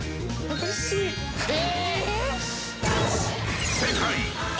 え！